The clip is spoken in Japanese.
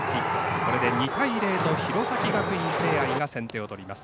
これで２対０と弘前学院聖愛が先手を取ります。